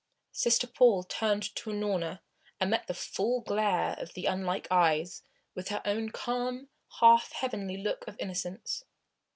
Sister Paul turned to Unorna and met the full glare of the unlike eyes, with her own calm, half heavenly look of innocence.